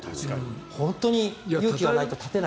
本当に勇気がないと立てない。